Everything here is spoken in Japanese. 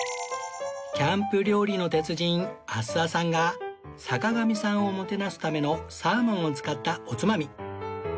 キャンプ料理の鉄人阿諏訪さんが坂上さんをもてなすためのサーモンを使ったおつまみ